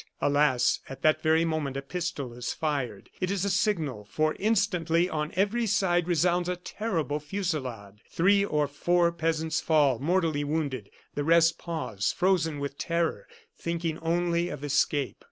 Alas! at that very moment a pistol is fired. It is a signal, for instantly, and on every side, resounds a terrible fusillade. Three or four peasants fall, mortally wounded. The rest pause, frozen with terror, thinking only of escape.